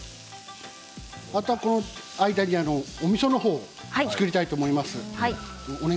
この間におみその方を作りたいと思います。